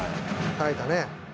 耐えたね。